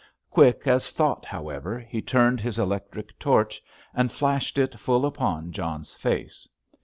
Quick as thought, however, he turned his electric torch and flashed it full upon John's face.